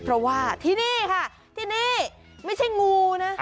เพราะว่าที่นี่ค่ะที่นี่ไม่ใช่งูนะ